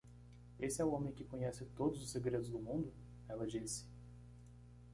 "Esse é o homem que conhece todos os segredos do mundo?" ela disse.